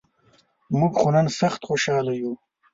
مونږ خو نن سخت خوشال یوو.